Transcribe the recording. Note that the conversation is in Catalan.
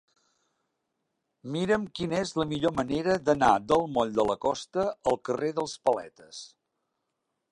Mira'm quina és la millor manera d'anar del moll de la Costa al carrer dels Paletes.